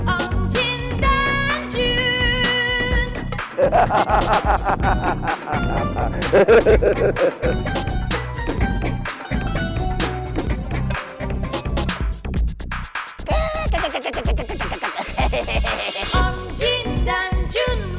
om jin dan jun